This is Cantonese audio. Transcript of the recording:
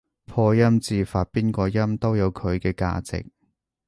破音字發邊個音都有佢嘅價值